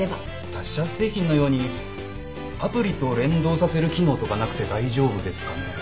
他社製品のようにアプリと連動させる機能とかなくて大丈夫ですかね？